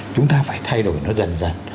chúng ta phải thay đổi nó dần dần